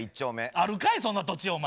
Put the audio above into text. あるかいそんな土地お前。